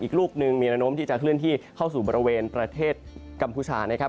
ลูกหนึ่งมีระนมที่จะเคลื่อนที่เข้าสู่บริเวณประเทศกัมพูชานะครับ